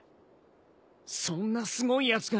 そんなすごいやつが。